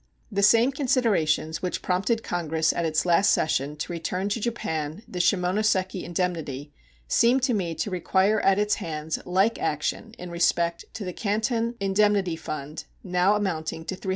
The same considerations which prompted Congress at its last session to return to Japan the Simonoseki indemnity seem to me to require at its hands like action in respect to the Canton indemnity fund, now amounting to $300,000.